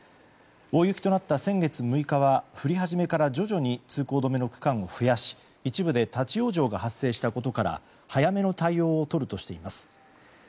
大雪となった先月６日は降り始めから徐々に通行止めの区間を増やし一部で立ち往生が発生したことから早めの対応をとるとしています。